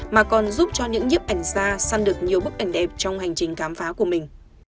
mà còn giúp cho những nhiếp ảnh ra săn được nhiều bức ảnh đẹp trong hành trình khám phá của mình